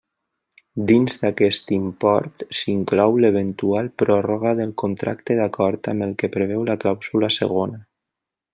Dins d'aquest import s'inclou l'eventual pròrroga del contracte d'acord amb el que preveu la clàusula segona.